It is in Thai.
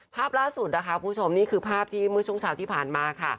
ภาพล่าสุดคือภาพที่มื้อช่วงเช้าที่ผ่านมา